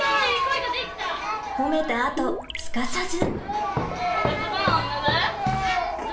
褒めたあとすかさず！